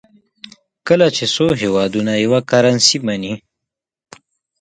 کله چې څو هېوادونه یوه کرنسي مني.